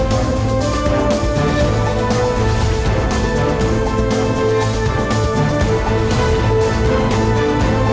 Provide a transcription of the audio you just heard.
tuan presiden terima kasih banyak